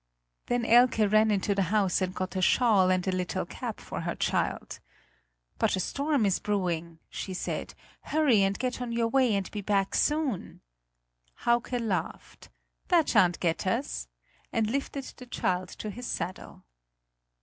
Then Elke ran into the house and got a shawl and a little cap for her child. "But a storm is brewing," she said; "hurry and get on your way and be back soon." Hauke laughed: "That shan't get us!" and lifted the child to his saddle.